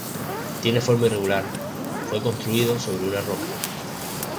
Tiene forma irregular, fue construido sobre una roca.